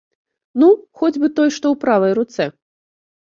Ну, хоць бы той, што ў правай руцэ.